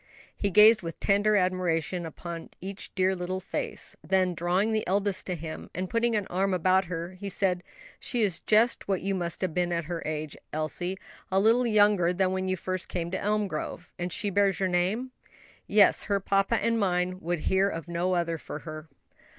He gazed with tender admiration upon each dear little face; then, drawing the eldest to him and putting an arm about her, said, "She is just what you must have been at her age, Elsie; a little younger than when you first came to Elmgrove. And she bears your name?" "Yes; her papa and mine would hear of no other for her."